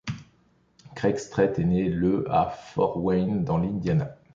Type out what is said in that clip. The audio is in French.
Craig Strete est né le à Fort Wayne dans l'Indiana.